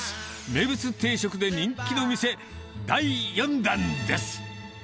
名物定食で人気の店、第４弾です。